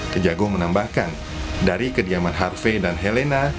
kejagung menambahkan dari kediaman harvey dan helena